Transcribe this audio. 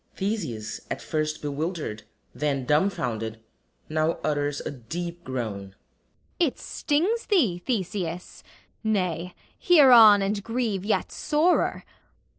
[THESEUS, at first bewildered, then dumfounded, now utters a deep groan.] It stings thee, Theseus? Nay, hear on and grieve Yet sorer.